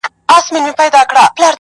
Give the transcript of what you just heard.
غوړه مال چي چا تر څنګ دی درولی!